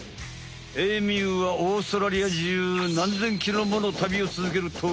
エミューはオーストラリアじゅう何千キロもの旅をつづける鳥。